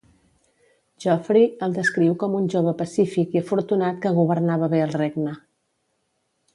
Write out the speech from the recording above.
Geoffrey el descriu com un "jove pacífic i afortunat, que governava bé el regne".